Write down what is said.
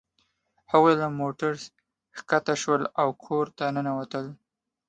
هغوی له موټر ښکته شول او کور ته ننوتل